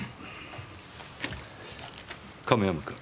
亀山君。